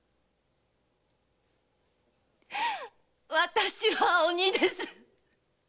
私は鬼です！